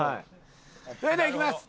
それではいきます。